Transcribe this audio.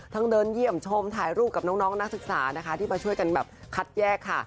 เดินเยี่ยมชมถ่ายรูปกับน้องนักศึกษานะคะที่มาช่วยกันแบบคัดแยกค่ะ